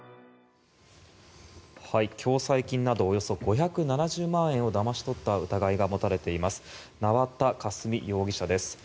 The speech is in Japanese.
共済金などおよそ５７０万円をだまし取った疑いが持たれています縄田佳純容疑者です。